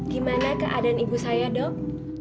gimana keadaan ibu saya dok